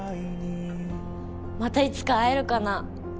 またいつか会えるかな。